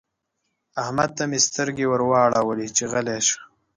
احمد ته مې سترګې ور واړولې چې غلی شه.